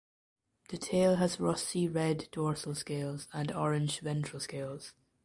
The tail has rusty red dorsal scales and orange ventral scales.